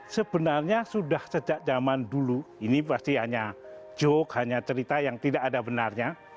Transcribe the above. sebenarnya sudah sejak zaman dulu ini pasti hanya joke hanya cerita yang tidak ada benarnya